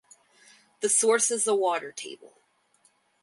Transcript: The source is the water table.